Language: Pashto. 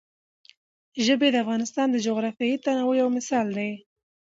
ژبې د افغانستان د جغرافیوي تنوع یو مثال دی.